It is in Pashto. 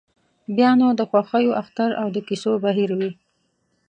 بیا نو د خوښیو اختر او د کیسو بهیر وي.